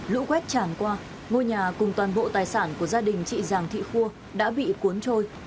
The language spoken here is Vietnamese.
lũ quét tràn qua ngôi nhà cùng toàn bộ tài sản của gia đình chị giàng thị khua đã bị cuốn trôi